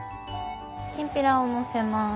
きんぴらをのせます。